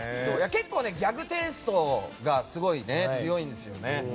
結構ギャグテイストがすごい強いんですよね。